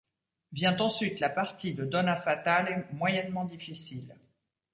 Vient ensuite la partie de Donna Fatale, moyennement difficile.